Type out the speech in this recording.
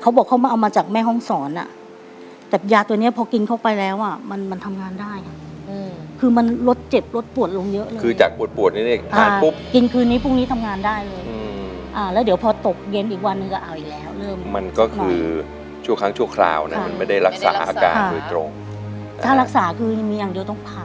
เขาบอกเขามาเอามาจากแม่ห้องศรอ่ะแต่ยาตัวเนี้ยพอกินเข้าไปแล้วอ่ะมันมันทำงานได้ไงคือมันลดเจ็บลดปวดลงเยอะเลยคือจากปวดปวดนี้เนี่ยทานปุ๊บกินคืนนี้พรุ่งนี้ทำงานได้เลยอ่าแล้วเดี๋ยวพอตกเย็นอีกวันหนึ่งก็เอาอีกแล้วเริ่มมันก็คือชั่วครั้งชั่วคราวนะมันไม่ได้รักษาอาการโดยตรงถ้ารักษาคือมีอย่างเดียวต้องผ่า